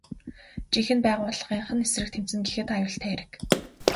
Жинхэнэ байгууллынх нь эсрэг тэмцэнэ гэхэд аюултай хэрэг.